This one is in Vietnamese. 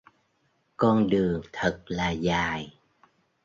con đường thật là dài